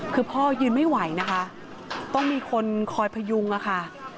คือพ่อยืนไม่ไหวนะคะต้องมีคนคอยพยุงอะค่ะ